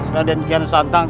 raden kian santang